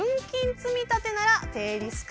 積立なら低リスク。